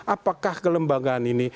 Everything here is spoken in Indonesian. apakah kelembagaan ini